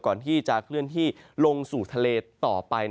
ก่อนที่จะเคลื่อนที่ลงสู่ทะเลต่อไป